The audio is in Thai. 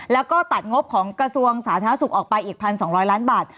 แล้วก็ตัดงบของกระทรวงสาธารณสุขออกไปอีก๑๒๐๐ล้านบาท